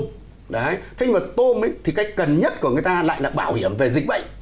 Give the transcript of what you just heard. thế nhưng mà tôm thì cái cần nhất của người ta lại là bảo hiểm về dịch bệnh